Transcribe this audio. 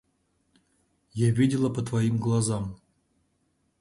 Я видела по твоим глазам.